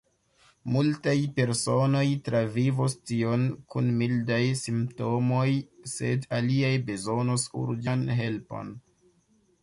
Multaj personoj travivos tion kun mildaj simptomoj, sed aliaj bezonos urĝan helpon.